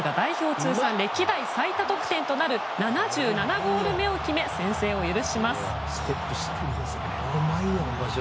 通算歴代最多得点となる７７ゴール目を決め先制を許します。